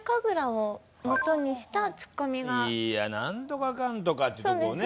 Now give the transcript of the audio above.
「いや何とかかんとか！」ってとこをね。